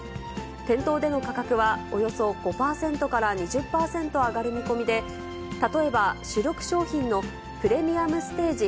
店頭での価格はおよそ５％から２０％上がる見込みで、例えば主力商品のプレミアムステージ